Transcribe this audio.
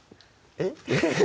えっ？